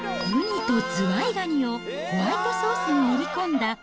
ウニとズワイガニをホワイトソースに練り込んだ